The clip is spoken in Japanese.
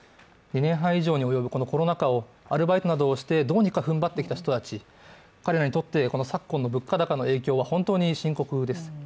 ２年半以上に及ぶコロナ禍をアルバイトなどをしてどうにか踏ん張ってきた人たち、彼らにとって昨今の物価高の影響は本当に深刻です。